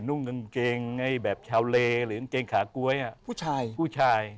นุ่งกางเกงไอ้แบบชาวเลหรือกางเกงขาก๊วยผู้ชาย